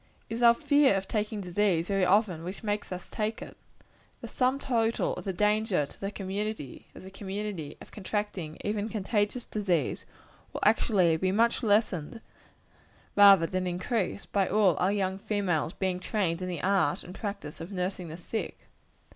It is our fear of taking disease, very often, which makes us take it. The sum total of the danger to the community, as a community, of contracting even contagious disease, will actually be much lessened, rather than increased, by all our young females being trained in the art and practice of nursing the sick.